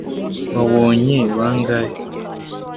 wabonye bangahe